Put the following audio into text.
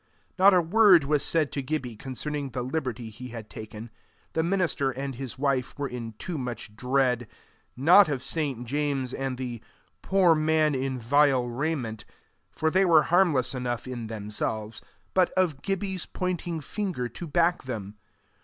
Not a word was said to Gibbie concerning the liberty he had taken: the minister and his wife were in too much dread not of St. James and the "poor man in vile raiment," for they were harmless enough in themselves, but of Gibbie's pointing finger to back them.